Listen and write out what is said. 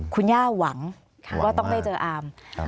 คุณย่าหวังว่าต้องได้เจออาม